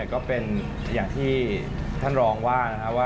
ก็อย่างที่ท่านรองว่า